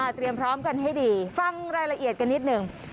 เตรียมพร้อมกันให้ดีฟังรายละเอียดกันนิดหนึ่ง